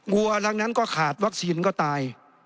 วัวหลังนั้นก็ขาดวัคซีนก็ตาย